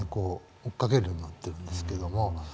追っかけるようになってるんですけども。